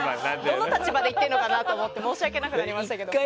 どの立場で言っているのかなと思って申し訳なくなりましたけど。